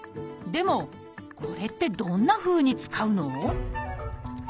でもこれってどんなふうに使うの？